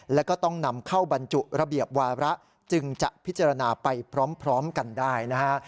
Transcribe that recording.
แล้วก็ต้องนำเข้าบรรจุระเบียบวาระจึงจะพิจารณาไปพร้อมกันได้นะฮะ